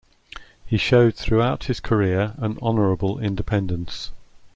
He showed throughout his career an honourable independence.